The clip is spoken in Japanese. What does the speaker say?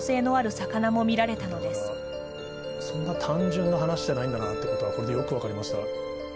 だからそんな単純な話じゃないんだなってことはこれでよく分かりました。